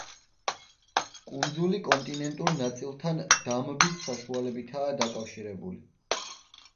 კუნძული კონტინენტურ ნაწილთან დამბის საშუალებითაა დაკავშირებული.